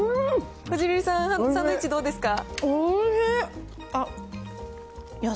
こじるりさん、サンドイッチどうですか？